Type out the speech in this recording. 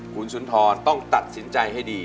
คุณสุนทรต้องตัดสินใจให้ดี